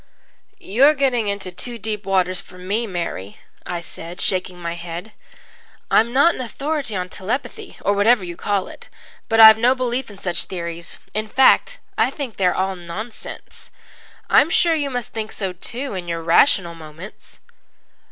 "You're getting into too deep waters for me, Mary," I said, shaking my head. "I'm not an authority on telepathy, or whatever you call it. But I've no belief in such theories. In fact, I think they are all nonsense. I'm sure you must think so too in your rational moments."